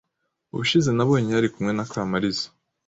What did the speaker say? Ubushize nabonye yari kumwe na Kamariza.